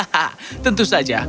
hahaha tentu saja